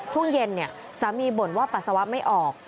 ช่วงเย็นสามีบ่นว่าปัสสาวะไม่ออก